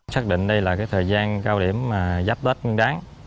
xác định đây là thời gian cao điểm giáp tết nguyên đáng